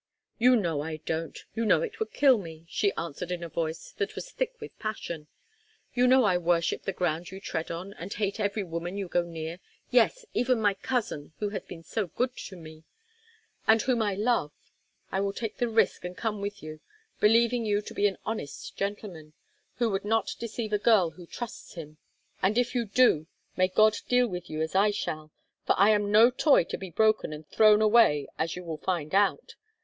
"You know I don't; you know it would kill me," she answered in a voice that was thick with passion, "you know I worship the ground you tread on, and hate every woman you go near, yes, even my cousin who has been so good to me, and whom I love. I will take the risk and come with you, believing you to be an honest gentleman, who would not deceive a girl who trusts him; and if you do, may God deal with you as I shall, for I am no toy to be broken and thrown away, as you would find out.